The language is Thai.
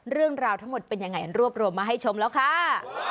เรื่องราวทั้งหมดเป็นยังไงรวบรวมมาให้ชมแล้วค่ะ